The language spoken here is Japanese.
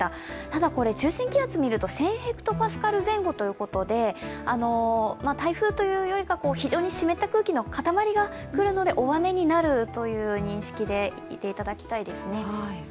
ただこれ、中心気圧見ると１０００ｈＰａ前後ということで台風というよりか、非常に湿った空気の塊が来るので大雨になるという認識でいていただきたいですね。